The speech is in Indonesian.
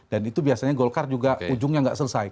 dan itu biasanya golkar juga ujungnya tidak selesai